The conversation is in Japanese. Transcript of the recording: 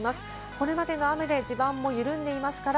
これまでの雨で地盤も緩んでいますから。